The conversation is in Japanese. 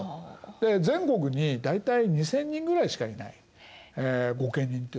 で全国に大体２，０００人ぐらいしかいない御家人っていうのはね。